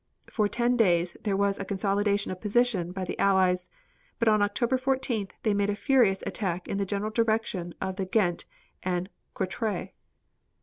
For ten days there was a consolidation of position by the Allies, but on October 14th they made a furious attack in the general direction of Ghent and Courtrai.